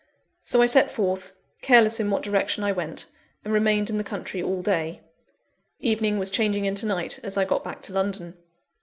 So I set forth, careless in what direction I went; and remained in the country all day. Evening was changing into night as I got back to London.